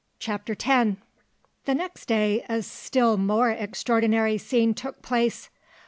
CHAPTER X The next day a still more extraordinary scene took place.